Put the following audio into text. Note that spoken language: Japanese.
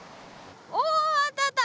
おあったあった！